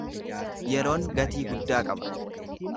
Yeroon gatii guddaa qaba.